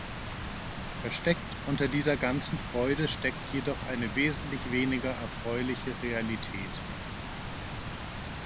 Versteckt unter dieser ganzen Freude steckt jedoch eine wesentlich weniger erfreuliche Realität.